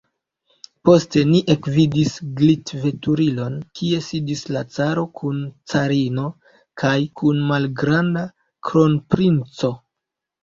Poste ni ekvidis glitveturilon, kie sidis la caro kun carino kaj kun malgranda kronprinco.